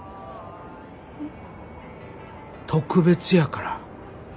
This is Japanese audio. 特別やから。